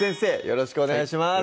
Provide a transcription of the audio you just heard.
よろしくお願いします